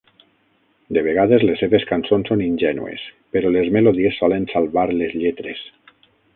De vegades, les seves cançons són ingènues, però les melodies solen salvar les lletres.